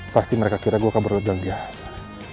pasti mereka kira gue kabar lojak biasa